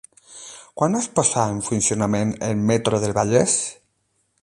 Quan es posà en funcionament el “Metro del Vallès”?